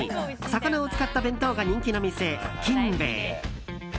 魚を使った弁当が人気の店金兵衛。